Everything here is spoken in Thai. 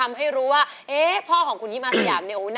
แล้วร้องเพลงผิดไม่ผิดธรรมดา